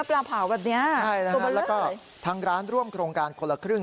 แล้วก็ทางร้านร่วมโครงการคนละครึ่ง